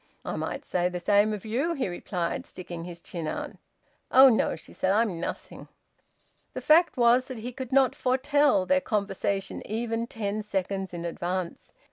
"I might say the same of you," he replied, sticking his chin out. "Oh no!" she said. "I'm nothing." The fact was that he could not foretell their conversation even ten seconds in advance.